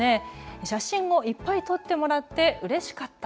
写真をいっぱい撮ってもらってうれしかった。